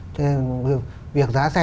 thế nên việc giá xe